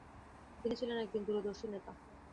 তিনি ছিলেন একজন দূরদর্শী নেতা।